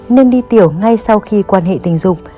nên đi tiểu ngay sau khi quan hệ tình dục